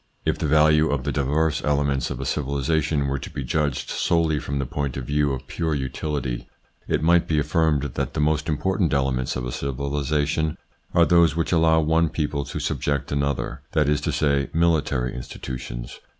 If the value of the diverse elements of a civilisation were to be judged solely from the point of view of pure utility, it might be affirmed that the most important elements of a civilisation are those which allow one people to subject another, that is to say military institutions.